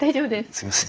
すみません。